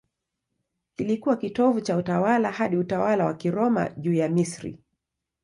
Kilikuwa kitovu cha utawala hadi utawala wa Kiroma juu ya Misri.